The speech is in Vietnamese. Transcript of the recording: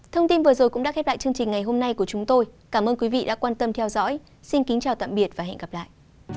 thông tin vừa rồi cũng đã khép lại chương trình ngày hôm nay của chúng tôi cảm ơn quý vị đã quan tâm theo dõi xin kính chào tạm biệt và hẹn gặp lại